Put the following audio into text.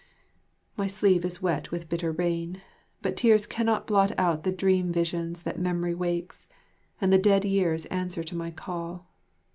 ....... My sleeve is wet with bitter rain; but tears cannot blot out the dream visions that memory wakes, and the dead years answer to my call.